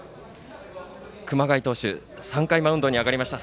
熊谷投手は３回マウンドに上がりました。